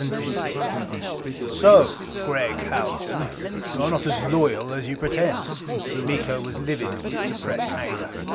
XVII "So, Gregg Haljan, you are not as loyal as you pretend!" Miko was livid with suppressed anger.